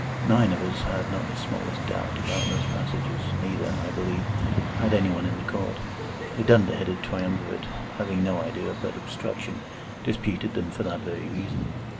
Nine of us had not the smallest doubt about those passages, neither, I believe, had any one in the Court; the dunder headed triumvirate, having no idea but obstruction, disputed them for that very reason.